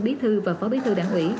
bí thư và phó bí thư đảng ủy